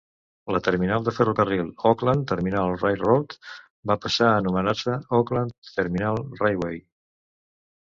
La terminal de ferrocarril Oakland Terminal Railroad va passar a anomenar-se Oakland Terminal Railway.